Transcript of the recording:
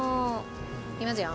いきますよ。